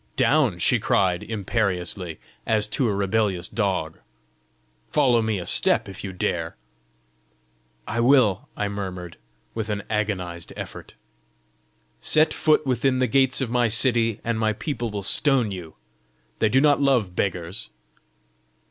"Down!" she cried imperiously, as to a rebellious dog. "Follow me a step if you dare!" "I will!" I murmured, with an agonised effort. "Set foot within the gates of my city, and my people will stone you: they do not love beggars!"